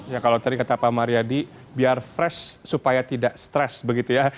ya kalau tadi kata pak mariadi biar fresh supaya tidak stres begitu ya